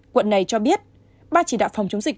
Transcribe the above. quận này cho biết ban chỉ đạo phòng chống dịch